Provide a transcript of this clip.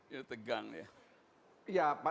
ya tegang ya